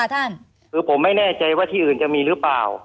คือผมไม่แน่ใจว่าที่อื่นจะมีหรือเปล่า